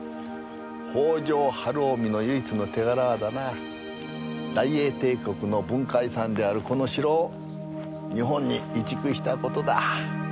北条晴臣の唯一の手柄はだな大英帝国の文化遺産であるこの城を日本に移築したことだ。